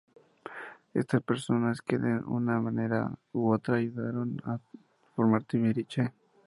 Estas son las personas que de una manera u otra ayudaron a formar Timbiriche.